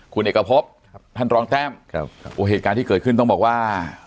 คุณเอกพบท่านรองแต้มครับโอ้เหตุการณ์ที่เกิดขึ้นต้องบอกว่า